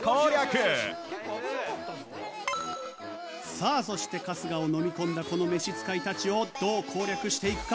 さあそして春日をのみ込んだこの召使いたちをどう攻略していくか？